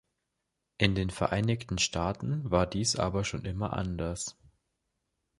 In den Vereinigten Staaten war dies aber schon immer anders.